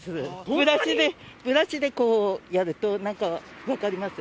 ブラシで、ブラシでこうやると、なんか分かります。